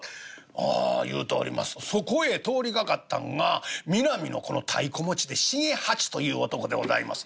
ああ言うておりますとそこへ通りがかったんがミナミの太鼓持ちで茂八という男でございます。